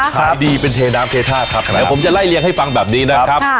ขายดีเป็นเทน้ำเทศาสตร์ครับผมจะไล่เลี้ยงให้ฟังแบบนี้นะครับ